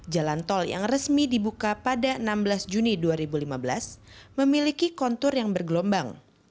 jalan tol yang resmi dibuka pada enam belas juni dua ribu lima belas memiliki kontur yang bergelombang